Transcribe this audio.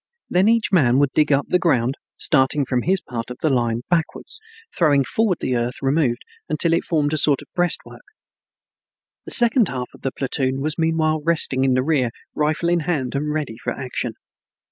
Then each man would dig up the ground, starting from his part of the line backwards, throwing forward the earth removed, until it formed a sort of breastwork. The second half of the platoon was meanwhile resting in the rear, rifle in hand and ready for action.